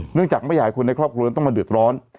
จากไม่อยากให้คนในครอบครัวต้องมาเดือดร้อน